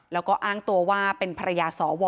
แล้วก็อ้างตัวว่าเป็นภรรยาสว